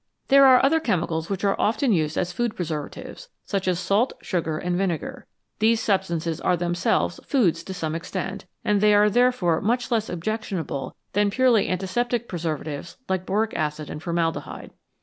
There are other chemicals which are often used as food preservatives, such as salt, sugar, and vinegar. These substances are themselves foods to some extent, and they are therefore much less objectionable than purely anti septic preservatives like boric acid and formaldehyde.